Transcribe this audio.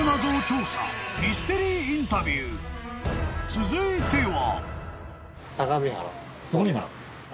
［続いては］